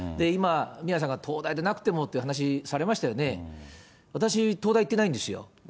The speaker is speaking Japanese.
今、宮根さんが東大でなくてもっていう話されましたよね、私、東大行ってないんですよ。